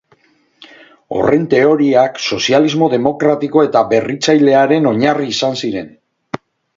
Horren teoriak sozialismo demokratiko eta berritzailearen oinarri izan ziren.